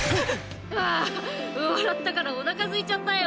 あ笑ったからおなかすいちゃったよ。